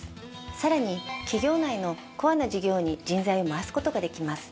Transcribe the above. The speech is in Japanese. さらに企業内のコアな事業に人材を回す事ができます。